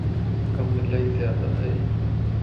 ڪم الائي زياده ائي.